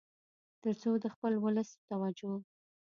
تر څو د خپل ولس توجه